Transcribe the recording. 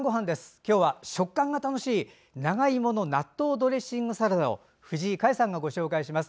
今日は食感が楽しい長芋の納豆ドレッシングサラダを藤井香江さんがご紹介します。